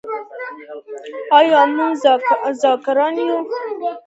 آیا موږ ذاکران یو؟